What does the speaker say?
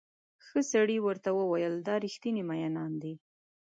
ښه سړي ورته وویل دا ریښتیني مئینان دي.